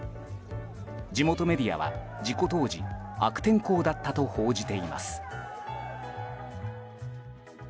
地元メディアは、事故当時悪天候だったと報じています。